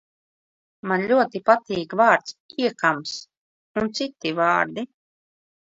Man ļoti patīk vārds "iekams" un citi vārdi.